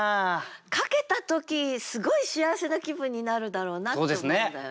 書けた時すごい幸せな気分になるだろうなって思うんだよね。